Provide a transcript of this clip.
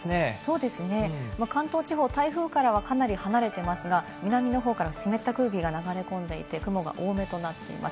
そうですね、関東地方台風からはかなり離れてますが、南の方から湿った空気が流れ込んでいて、雲が多めとなっています。